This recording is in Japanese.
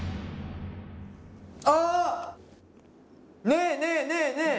ねえねえねえねえ！